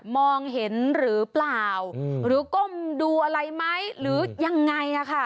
มองเห็นหรือเปล่าหรือก้มดูอะไรไหมหรือยังไง